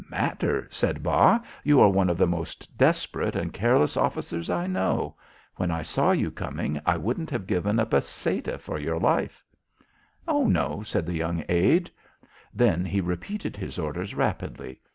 "Matter?" said Bas. "You are one of the most desperate and careless officers I know. When I saw you coming I wouldn't have given a peseta for your life." "Oh, no," said the young aide. Then he repeated his orders rapidly.